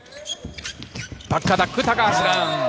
バックアタック、高橋藍。